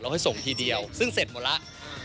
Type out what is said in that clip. ให้ส่งทีเดียวซึ่งเสร็จหมดแล้ว